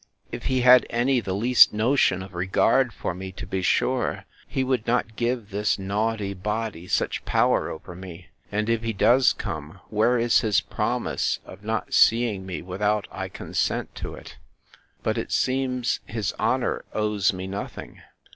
—If he had any the least notion of regard for me, to be sure he would not give this naughty body such power over me:—And if he does come, where is his promise of not seeing me without I consent to it? But, it seems, his honour owes me nothing!